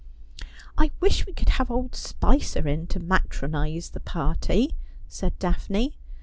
' I wish we could have old Spicer in to matronise the party,' said Daphne.